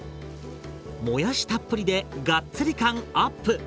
もやしたっぷりでがっつり感アップ！